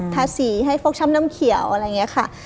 ทาสีให้ฟกช่ำน้ำเขียวอะไรอย่างนี้ค่ะ